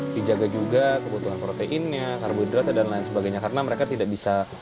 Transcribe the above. dijaga juga kebutuhan proteinnya karbohidratnya dan lain sebagainya karena mereka tidak bisa